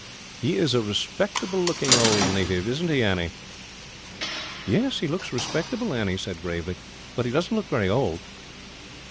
"He is a respectable looking old native, isn't he, Annie?" "Yes, he looks respectable," Annie said gravely; "but he doesn't look very old.